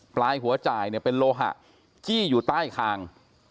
ปลายหัวจ่ายเนี่ยเป็นโลหะจี้อยู่ใต้คาง